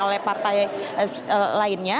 oleh partai lainnya